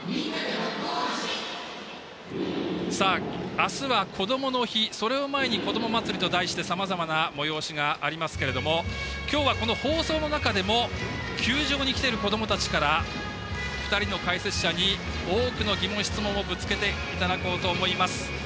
明日は、こどもの日それを前にこどもまつりと題してさまざまな催しがありますけども今日は放送の中でも球場に来ている、こどもたちから２人の解説者に多くの疑問・質問をぶつけていただこうと思います。